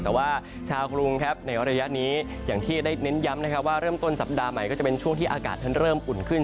แต่ว่าชาวกรุงครับในระยะนี้อย่างที่ได้เน้นย้ำนะครับว่าเริ่มต้นสัปดาห์ใหม่ก็จะเป็นช่วงที่อากาศท่านเริ่มอุ่นขึ้น